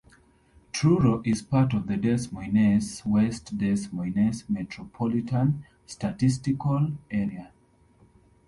Truro is part of the Des Moines-West Des Moines Metropolitan Statistical Area.